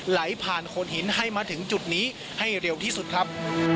ไหลผ่านโคนหินให้มาถึงจุดนี้ให้เร็วที่สุดครับ